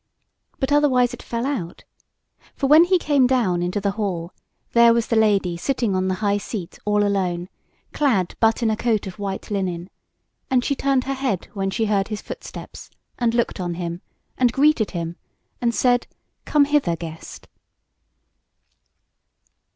But otherwise it fell out; for when he came down into the hall, there was the lady sitting on the high seat all alone, clad but in a coat of white linen; and she turned her head when she heard his footsteps, and looked on him, and greeted him, and said: "Come hither, guest."